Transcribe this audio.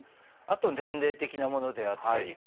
あと年齢的なものであったり。